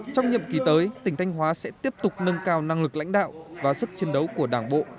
trong nhiệm kỳ tới tỉnh thanh hóa sẽ tiếp tục nâng cao năng lực lãnh đạo và sức chiến đấu của đảng bộ